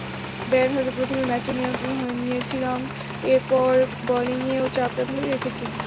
Bat হাতে প্রথমে ম্যাচের নিয়ন্ত্রণ নিয়েছিলাম, এরপর বোলিংয়েও চাপটা ধরে রেখেছি।